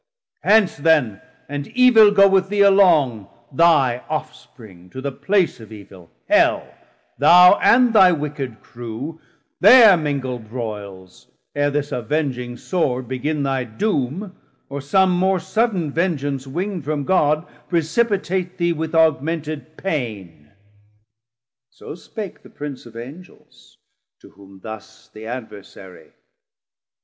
Hence then, and evil go with thee along Thy ofspring, to the place of evil, Hell, Thou and thy wicked crew; there mingle broiles, Ere this avenging Sword begin thy doome, Or som more sudden vengeance wing'd from God Precipitate thee with augmented paine. 280 So spake the Prince of Angels; to whom thus The Adversarie.